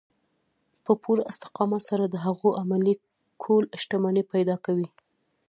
په پوره استقامت سره د هغو عملي کول شتمني پيدا کوي.